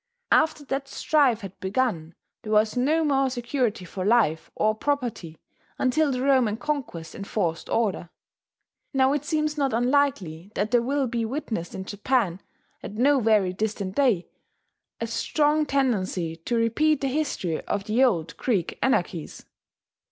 After that strife had begun there was no more security for life or property until the Roman conquest enforced order.... Now it seems not unlikely that there will he witnessed in Japan, at no very distant day, a strong tendency to repeat the history of the old Greek anarchies.